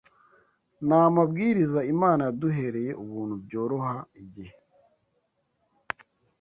n’amabwiriza Imana yaduhereye ubuntu byoroha igihe